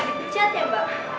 ya kenapa dipecat ya mbak